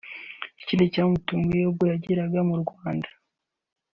Ikindi cyamutunguye ubwo yageraga mu Rwanda